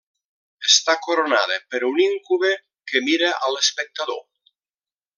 Està coronada per un íncube que mira a l'espectador.